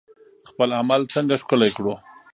خپل عمل څنګه ښکلی کړو؟